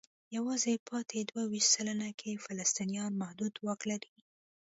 یوازې پاتې دوه ویشت سلنه کې فلسطینیان محدود واک لري.